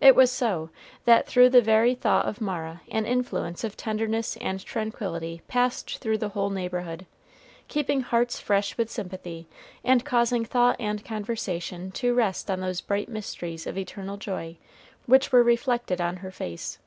It was so, that through the very thought of Mara an influence of tenderness and tranquillity passed through the whole neighborhood, keeping hearts fresh with sympathy, and causing thought and conversation to rest on those bright mysteries of eternal joy which were reflected on her face.